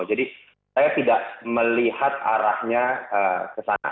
jadi saya tidak melihat arahnya kesana